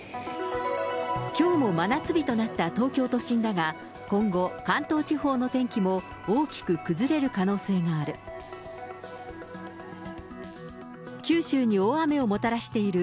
きょうも真夏日となった東京都心だが、今後、関東地方の天気も大きく崩れる可能性がある。